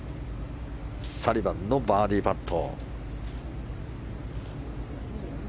サリバンのバーディーパット。